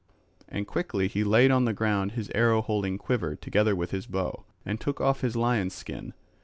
And quickly he laid on the ground his arrow holding quiver together with his bow, and took off his lion's skin.